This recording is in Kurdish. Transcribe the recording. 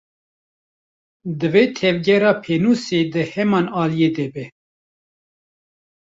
Divê tevgera pênûsê di heman aliyî de be.